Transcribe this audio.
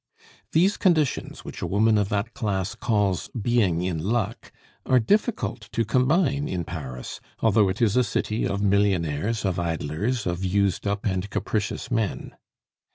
These conditions, which a woman of that class calls being in luck, are difficult to combine in Paris, although it is a city of millionaires, of idlers, of used up and capricious men.